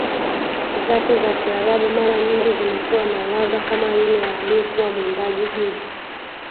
zake za kiarabu mara nyingi zimekuwa na ladha kama ile ya aliyekuwa mwimbaji gwiji